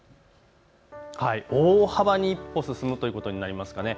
大幅に一歩進むということになりますかね。